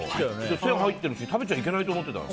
線入ってるし食べちゃいけないと思ってた。